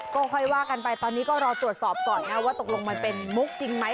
ก็ค่อยว่ากันไปตอนนี้ก็รอตรวจสอบก่อนนะว่าตกลงมันเป็นมุกจริงไหม